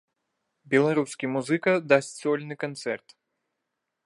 Беларускі музыка дасць сольны канцэрт.